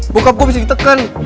bokap gua bisa ditekan